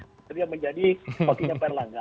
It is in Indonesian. bersedia menjadi wakilnya pak erlangga